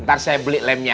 ntar saya beli lemnya